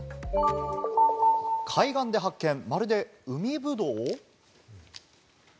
海岸で発見、まるで海ぶどう？